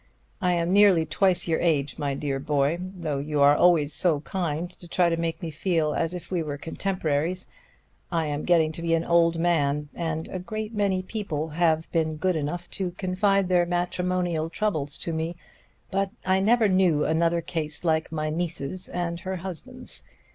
I am nearly twice your age, my dear boy, though you always so kindly try to make me feel as if we were contemporaries I am getting to be an old man, and a great many people have been good enough to confide their matrimonial troubles to me; but I never knew another case like my niece's and her husband's.